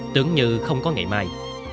tưởng như không có ngày mai